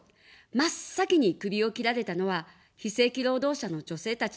真っ先に首を切られたのは非正規労働者の女性たちでした。